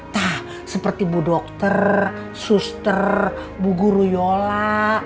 tah seperti bu dokter suster bu guru yola